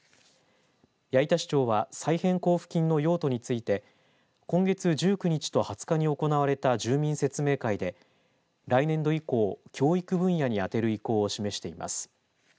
八板市長は再編交付金の用途について今月１９日と２０日に行われた住民説明会で来年度以降、教育分野に充てる意向を示しています。